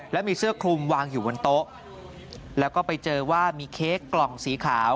แล้วมีเสื้อคลุมวางอยู่บนโต๊ะแล้วก็ไปเจอว่ามีเค้กกล่องสีขาว